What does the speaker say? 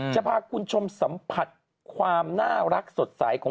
จะพาคุณชมสัมผัสความน่ารักสดใส